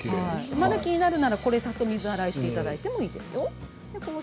まだ気になるなら先に水洗いしていただいてもいいですよ。